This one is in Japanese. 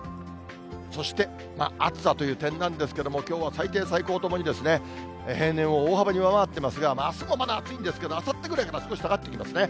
そして暑さという点なんですけども、きょうは最低、最高ともにですね、平年を大幅に上回ってますが、あすもまだ暑いんですけど、あさってぐらいから少し下がってきますね。